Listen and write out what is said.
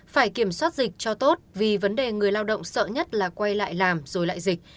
phải kiểm soát dịch cho tốt vì vấn đề người lao động sợ nhất là quay lại làm rồi lại dịch